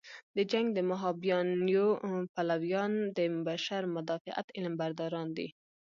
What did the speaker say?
د جنګ د مهابیانیو پلویان د بشر مدافعت علمبرداران دي.